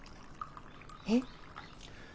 えっ？